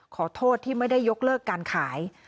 ขอโทษที่ไม่ได้ยกเลิกการขาย